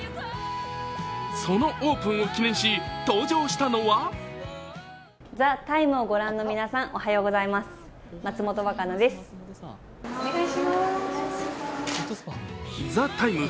そのオープンを記念し、登場したのは「ＴＨＥＴＩＭＥ，」